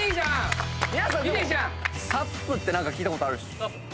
皆さんＳＵＰって何か聞いたことあるでしょ。